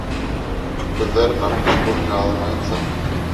Күҙҙәрен Аҡҡош күленән алмайынса: